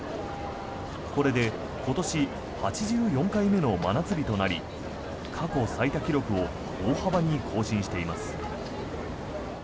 これで今年８４回目の真夏日となり過去最多記録を大幅に更新しています。